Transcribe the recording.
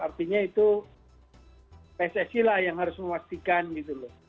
artinya itu pssi lah yang harus memastikan gitu loh